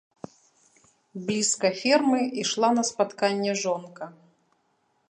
Блізка фермы ішла на спатканне жонка.